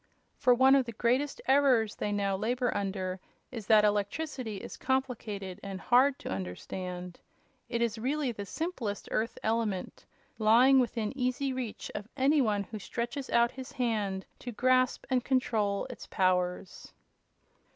For one of the greatest errors they now labor under is that electricity is complicated and hard to understand. It is really the simplest Earth element, lying within easy reach of any one who stretches out his hand to grasp and control its powers."